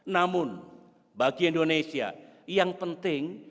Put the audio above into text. namun bagi indonesia yang penting